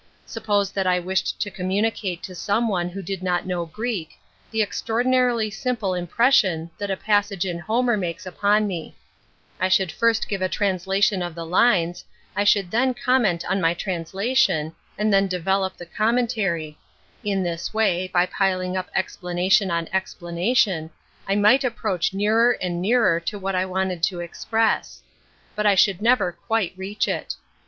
Suppose that I wished to com municate to some one who did not know Greek the extraordinarily simple impres sion that a passage in Homer makes upon me; I should first give a translation of the lines, I should then comment on my trans lation, and then develop the commentary; in this way, by piling up explanation on explanation, I might approach nearer and nearer to what I wanted to express; but I should never quite reach it.